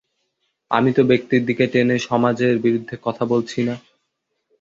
আমি তো ব্যক্তির দিকে টেনে সমাজের বিরুদ্ধে কথা বলছি নে।